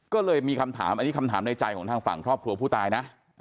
ก็เลยมีคำถามอันนี้คำถามในใจของทางฝั่งครอบครัวผู้ตายนะ